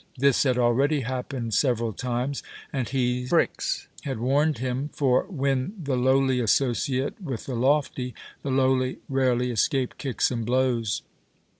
This had already happened several times, and he, Phryx, had warned him, for, when the lowly associate with the lofty, the lowly rarely escape kicks and blows.